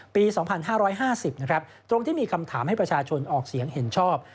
ปี๒๕๕๐นะครับตรงที่มีคำถามให้ประชาชนออกเสียงเห็นชอบ